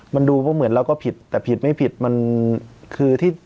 มันดูเพราะเหมือนเราก็ผิดแต่ผิดไม่ผิดมันคือที่